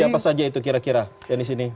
siapa saja itu kira kira yang disini